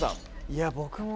いや僕もね